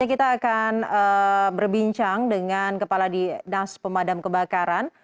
kita akan berbincang dengan kepala dinas pemadam kebakaran